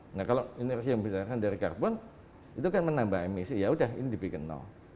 nah kalau energi yang berasal dari karbon itu kan menambah emisi yaudah ini dibikin